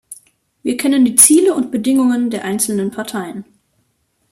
Wir kennen die Ziele und Bedingungen der einzelnen Parteien.